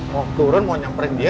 mau turun mau nyamperin dia